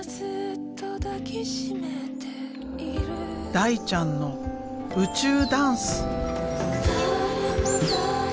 大ちゃんの宇宙ダンス！